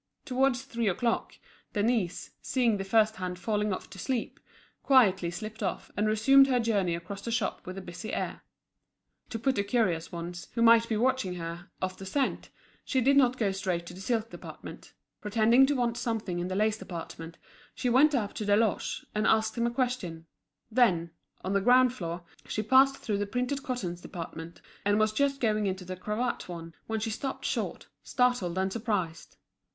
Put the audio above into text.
Towards three o'clock, Denise, seeing the first hand falling off to sleep, quietly slipped off, and resumed her journey across the shop, with a busy air. To put the curious ones, who might be watching her, off the scent, she did not go straight to the silk department; pretending to want something in the lace department, she went up to Deloche, and asked him a question; then, on the ground floor, she passed through the printed cottons department, and was just going into the cravat one, when she stopped short, startled and surprised.